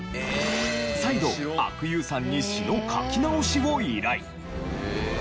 再度阿久悠さんに詞の書き直しを依頼。